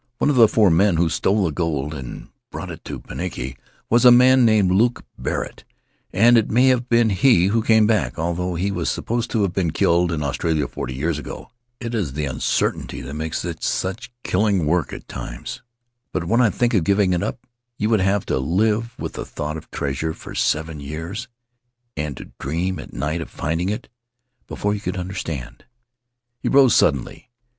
One of the four men who stole the gold and brought it to Pinaki was a man named Luke Barrett, and it may have been he who came back, although he was supposed to have been killed in Australia forty years ago. It is the uncertainty which makes this such killing work at times. But when I think of giving it up — you would have to live with the thought of treasure for seven years, and to dream at night of finding it, before you could understand." He rose suddenly.